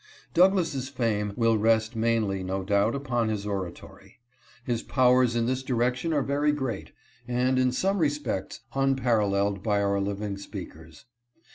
Douglass' fame will rest mainly, no doubt, upon his oratory. His powers in this direction are very great, and, in some respects, unparalleled by our living speakers.